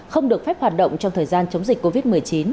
không được phép hoạt động trong thời gian chống dịch covid một mươi chín